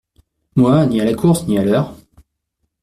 Moi, ni à la course, ni à l’heure…